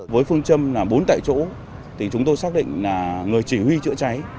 với phương châm là bốn tại chỗ thì chúng tôi xác định là người chỉ huy chữa cháy